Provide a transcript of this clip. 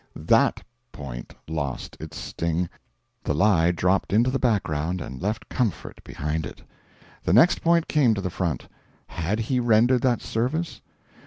THAT point lost its sting the lie dropped into the background and left comfort behind it. The next point came to the front: HAD he rendered that service?